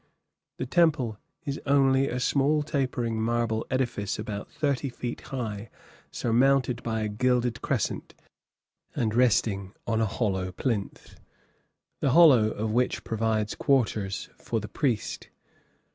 The temple is only a small tapering marble edifice about thirty feet high, surmounted by a gilded crescent, and resting on a hollow plinth, the hollow of which provides quarters for the priest.